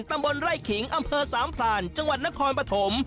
ตำบลไร่ขิงอำเภอสามพลานจังหวัดนครปฐม